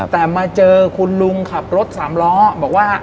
แต่มาเจอคุณลุงขับรถสามล้อบอกว่า